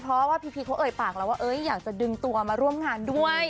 เพราะว่าพีพีชเขาเอ่ยปากแล้วว่าอยากจะดึงตัวมาร่วมงานด้วย